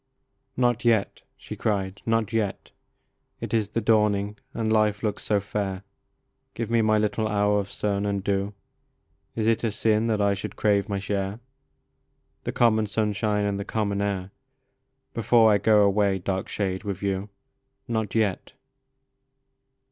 OT yet," she cried, "not yet ! It is the dawning, and life looks so fair ; Give me my little hour of sun and dew. Is it a sin that I should crave my share, The common sunshine and the common air, / Before I go away, dark shade, with you ? Not yet